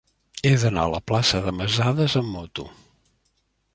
He d'anar a la plaça de Masadas amb moto.